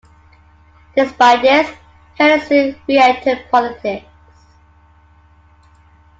Despite this, Taylor soon re-entered politics.